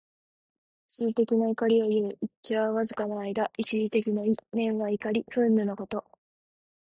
一時的な怒りをいう。「一朝」はわずかな間。一時的の意。「忿」は、怒り、憤怒のこと。